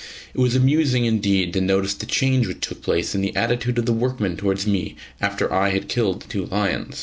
It was amusing, indeed, to notice the change which took place in the attitude of the workmen towards me after I had killed the two lions.